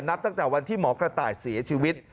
นับตั้งแต่วันที่หมอกระต่ายเสียชีวิต